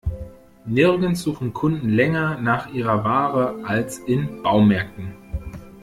Nirgends suchen Kunden länger nach ihrer Ware als in Baumärkten.